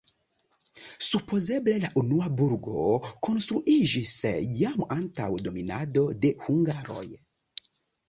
Supozeble la unua burgo konstruiĝis jam antaŭ dominado de hungaroj.